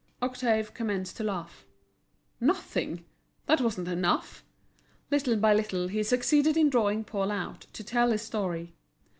Octave commenced to laugh. Nothing! that wasn't enough. Little by little he succeeded in drawing Paul out to tell his story.